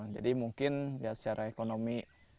jadi mungkin secara ekonomi